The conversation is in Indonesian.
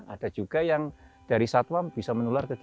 ada juga yang dari satwa bisa menular ke kita